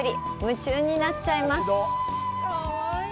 夢中になっちゃいます。